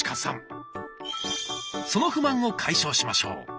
その不満を解消しましょう。